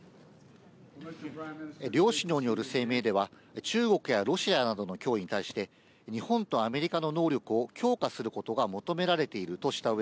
両首脳による声明では、中国やロシアなどの脅威に対して、日本とアメリカの能力を強化することが求められているとしたうえ